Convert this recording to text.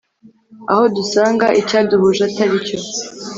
aho dusanga icyaduhuje ataricyo